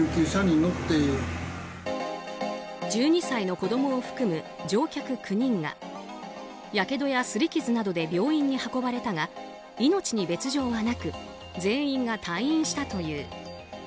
１２歳の子供を含む乗客９人がやけどや擦り傷などで病院に運ばれたが命に別条はなく全員が退院したという。